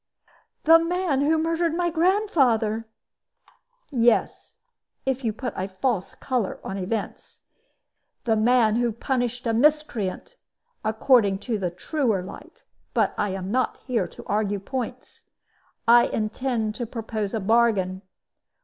"The man who murdered my grandfather." "Yes, if you put a false color on events. The man who punished a miscreant, according to the truer light. But I am not here to argue points. I intend to propose a bargain.